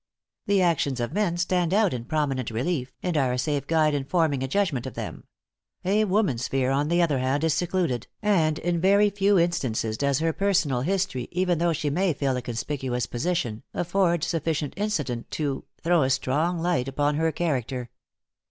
The actions of men stand out in prominent relief, and are a safe guide in forming a judgment of them; a woman's sphere, on the other hand, is secluded, and in very few instances does her personal history, even though she may fill a conspicuous position, afford sufficient incident to; throw a strong light upon her character.